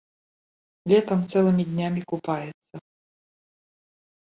Летам цэлымі днямі купаецца.